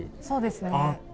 そうですね。